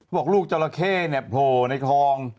บอกลูกจราเข้โหในทอง